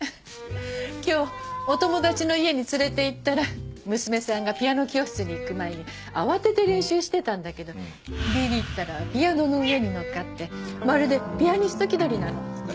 今日お友達の家に連れていったら娘さんがピアノ教室に行く前に慌てて練習してたんだけどビビったらピアノの上に乗っかってまるでピアニスト気取りなの。